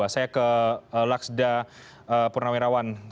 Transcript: saya ke laksda purnawerawan